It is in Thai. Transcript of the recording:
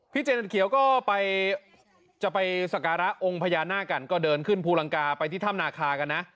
เจนเขียวก็ไปจะไปสการะองค์พญานาคกันก็เดินขึ้นภูลังกาไปที่ถ้ำนาคากันนะ